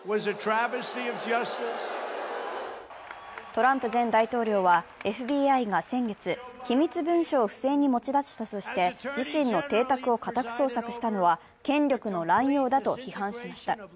トランプ前大統領はＦＢＩが先月、機密文書を不正に持ち出したとして自身の邸宅を家宅捜索したのは権力の乱用だと批判しました。